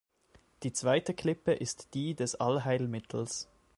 Die zweite Klippe ist die des Allheilmittels.